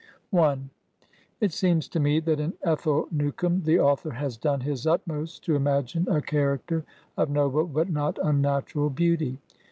It s6ems to me that in Ethel Newcome the author has done his utmost to imagine a character of noble but not unnatural beauty.